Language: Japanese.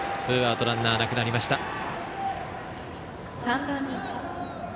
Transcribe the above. ツーアウトランナーなくなりました。